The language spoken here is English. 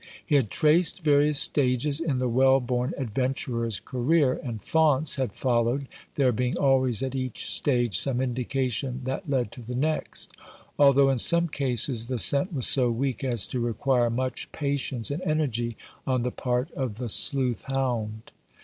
He had traced various stages in the well born adventurer's career, and Faunce had followed, there being always at each stage some indication that led to the next : although in some cases the scent was so weak as to require much patience and energy on the part of the sleuth hound.